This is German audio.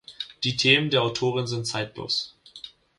Die Themen der Autorin sind zeitlos.